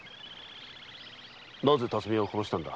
なぜ巽屋を殺したんだ？